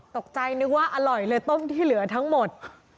นึกว่าอร่อยเลยต้มที่เหลือทั้งหมด